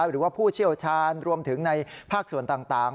หรือว่าผู้เชี่ยวชาญรวมถึงในภาคส่วนต่าง